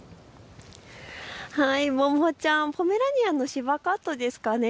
ももちゃん、ポメラニアンのしばカットですかね。